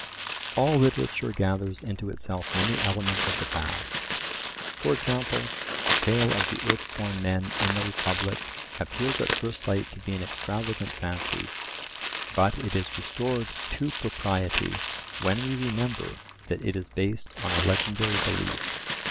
All literature gathers into itself many elements of the past: for example, the tale of the earth born men in the Republic appears at first sight to be an extravagant fancy, but it is restored to propriety when we remember that it is based on a legendary belief.